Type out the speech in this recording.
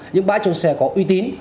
những bãi trong xe có uy tín